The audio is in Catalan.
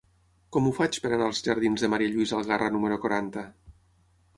Com ho faig per anar als jardins de Ma. Lluïsa Algarra número quaranta?